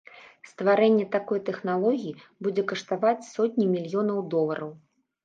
Стварэнне такой тэхналогіі будзе каштаваць сотні мільёнаў долараў.